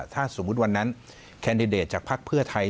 ถ้าสมมติวันนั้นแคนเดดเตตจากภาคเพื่อไทย